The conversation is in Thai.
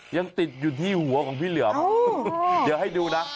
ยังติดอยู่ที่หัวของพี่เหลือมเดี๋ยวให้ดูนะ